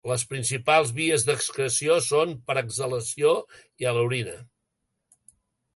Les principals vies d'excreció són per exhalació i a l'orina.